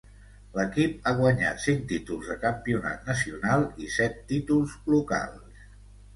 L'equip ha guanyat cinc títols de campionat nacional i set títols locals.